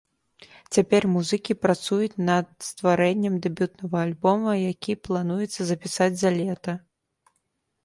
Цяпер музыкі працуюць на стварэннем дэбютнага альбома, які плануецца запісаць за лета.